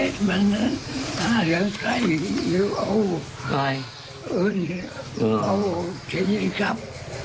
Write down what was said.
สวัสดีครับ